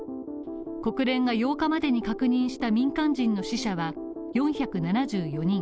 国連が８日までに確認した民間人の死者は４７４人。